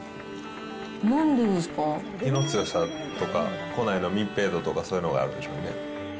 火の強さとか、庫内の密閉度とかそういうのがあるんでしょうね。